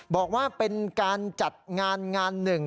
บอกว่าเป็นการจัดงานงานหนึ่ง